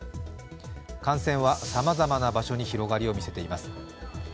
感染はさまざまな場所に広がりを見せています。